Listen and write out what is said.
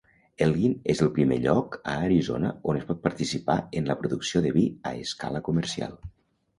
Elgin és el primer lloc a Arizona on es pot participar en la producció de vi a escala comercial.